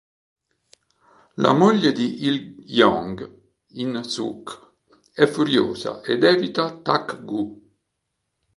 La moglie di Il-jong, In-suk, è furiosa ed evita Tak-gu.